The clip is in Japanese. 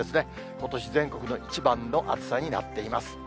ことし全国で一番の暑さになっています。